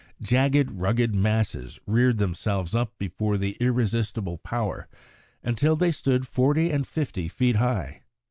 Jagged, rugged masses reared themselves up before the irresistible power, until they stood forty and fifty feet high.